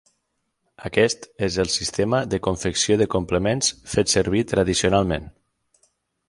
Aquest és un sistema de confecció de complements fet servir tradicionalment.